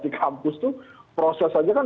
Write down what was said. di kampus itu proses saja kan